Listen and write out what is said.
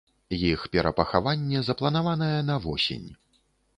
Іх перапахаванне запланаванае на восень.